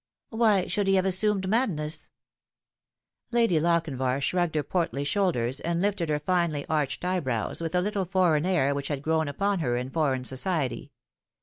" Why should he have assumed madness ?" Lady Lochinvar shrugged her portly shoulders, and lifted her finely arched eyebrows with a little foreign air which had grown upon her in foreign society.